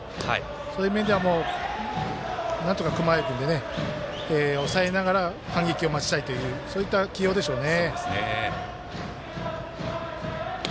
そういう面ではなんとか、熊谷君で抑えながら反撃を待ちたいというそういった起用でしょうね。